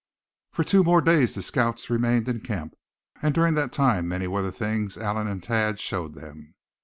For two more days the scouts remained in camp, and during that time many were the things Allan and Thad showed them.